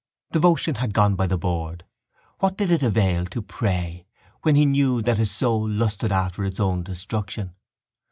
Devotion had gone by the board. What did it avail to pray when he knew that his soul lusted after its own destruction?